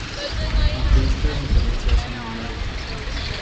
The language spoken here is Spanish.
Aunque estas diferencias son menores.